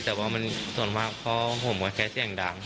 แต่ว่ามันส่วนมากก็ห่วงว่าแค่เสียงดัง